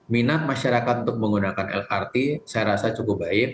minat masyarakat untuk menggunakan lrt saya rasa cukup baik